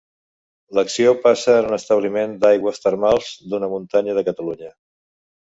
L'acció passa en un establiment d'aigües termals d'una muntanya de Catalunya.